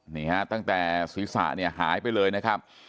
นี่ฮะตั้งแต่ศีรษะเนี่ยหายไปเลยนะครับ